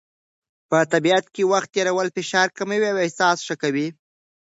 په طبیعت کې وخت تېرول فشار کموي او احساس ښه کوي.